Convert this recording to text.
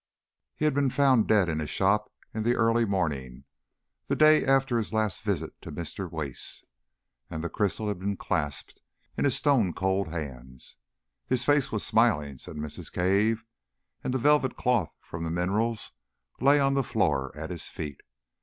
He had been found dead in his shop in the early morning, the day after his last visit to Mr. Wace, and the crystal had been clasped in his stone cold hands. His face was smiling, said Mrs. Cave, and the velvet cloth from the minerals lay on the floor at his feet.